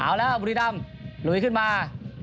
เอาแล้วบุรีดำลุยขึ้นมา